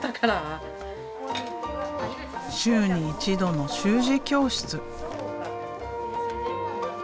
週に一度の習字教室。